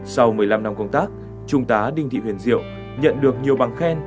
sau một mươi năm năm công tác trung tá đinh thị huyền diệu nhận được nhiều bằng khen